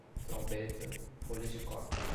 trombeta, folhas de coca